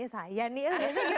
biasanya gitu ya